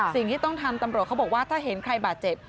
สิ่งที่ต้องทำตำรวจเขาบอกว่าถ้าเห็นใครบาดเจ็บ